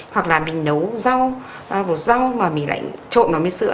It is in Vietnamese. hoặc là mình nấu rau bột rau mà mình lại trộn nó mới sữa